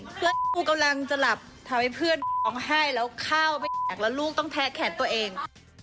กูกำลังจะหลับทำให้เพื่อนร้องไห้แล้วข้าวไม่ออกแล้วลูกต้องแทะแขนตัวเอง